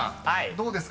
［どうですか？